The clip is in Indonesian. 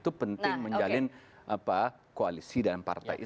itu penting menjalin koalisi dan partai